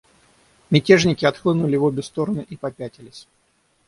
Мятежники отхлынули в обе стороны и попятились.